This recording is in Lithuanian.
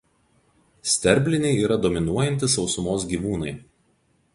Sterbliniai yra dominuojantys sausumos gyvūnai.